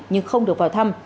nhưng không được vào thăm